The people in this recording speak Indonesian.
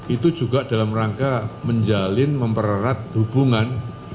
itu juga dalam rangka menjalin mempererat hubungan